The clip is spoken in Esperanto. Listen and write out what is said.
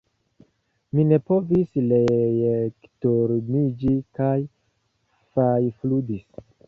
Mi ne povis reekdormiĝi kaj fajfludis.